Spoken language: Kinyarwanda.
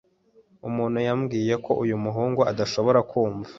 Umuntu yambwiye ko uyu muhungu adashobora kumva.